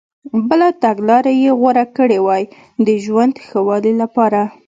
بله تګلارې یې غوره کړي وای د ژوند ښه والي لپاره.